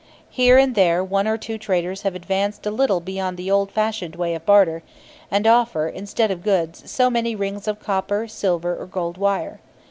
Here and there one or two traders have advanced a little beyond the old fashioned way of barter, and offer, instead of goods, so many rings of copper, silver, or gold wire.